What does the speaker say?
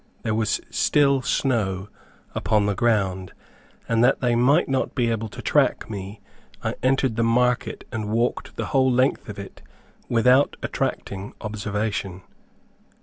There was still snow upon the ground and that they might not be able to track me, I entered the market and walked the whole length of it without attracting observation.